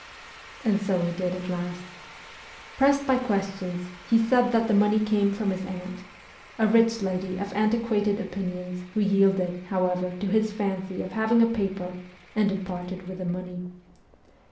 And so he did at last. Pressed by questions he said that the money came from his aunt a rich lady of antiquated opinions who yielded, however, to his fancy of having a paper and had parted with the money.